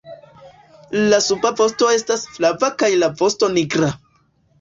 La suba vosto estas flava kaj la vosto nigra.